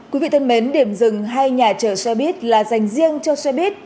quý vị thân mến điểm dừng hay nhà chở xe buýt là dành riêng cho xe buýt